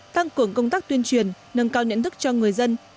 tăng cường công tác tuyên truyền nâng cao nhận thức cho người dân